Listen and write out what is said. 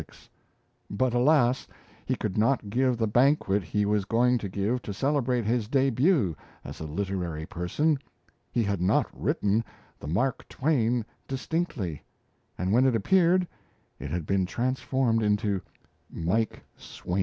But alas! he could not give the banquet he was going to give to celebrate his debut as a "Literary Person." He had not written the "Mark Twain" distinctly, and when it appeared it had been transformed into "Mike Swain"!